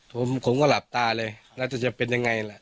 ผมก็หลับตาเลยน่าจะจะเป็นอย่างไรล่ะ